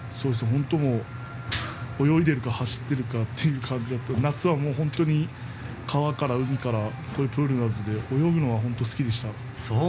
本当に泳いでいるか走っているかという感じで夏は川から海からプールとか泳ぐのが本当に好きでした。